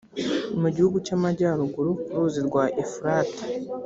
mu gihugu cy’amajyaruguru ku ruzi rwa ufurate